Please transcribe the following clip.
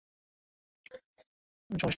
আসলে চলনবিল অনেকগুলো ছোট ছোট বিলের সমষ্টি।